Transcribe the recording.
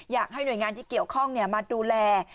อยากให้หน่วยงานที่เกี่ยวข้องมาดูแล